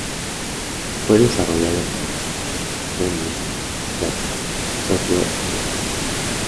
Fue desarrollado por Gremlin Graphics Software Ltd.